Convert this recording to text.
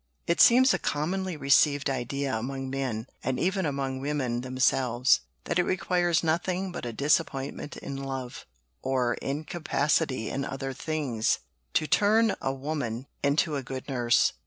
"It seems a commonly received idea among men, and even among women themselves, that it requires nothing but a disappointment in love, or incapacity in other things, to turn a woman into a good nurse.